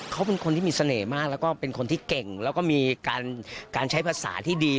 เขาเป็นคนที่มีเสน่ห์มากแล้วก็เป็นคนที่เก่งแล้วก็มีการใช้ภาษาที่ดี